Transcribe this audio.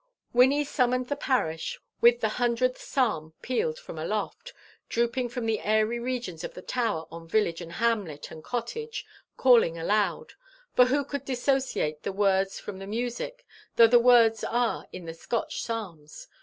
Wynnie summoned the parish with the hundredth psalm pealed from aloft, dropping from the airy regions of the tower on village and hamlet and cottage, calling aloud for who could dissociate the words from the music, though the words are in the Scotch psalms?